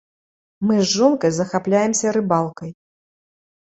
Мы з жонкай захапляемся рыбалкай.